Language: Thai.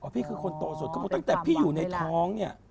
พี่คือคนโตสุดเขาบอกตั้งแต่พี่อยู่ในท้องเนี่ย